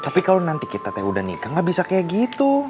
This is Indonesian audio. tapi kalau nanti kita teh udah nikah gak bisa kayak gitu